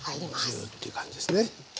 ジューッていう感じですね。